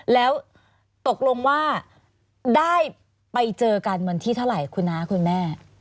แล้วตกลงว่าได้ไปเจอกันวันที่เท่าไหร่คุณน้าคุณแม่